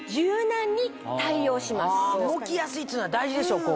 動きやすいっていうのは大事でしょ。